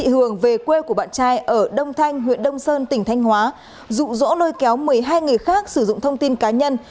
hường về quê của bạn trai ở đông thanh huyện đông sơn tỉnh thanh hóa rụ rỗ lôi kéo một mươi hai người khác sử dụng thông tin cá nhân